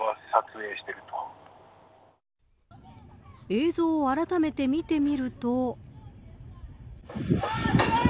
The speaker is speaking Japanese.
映像をあらためて見てみると。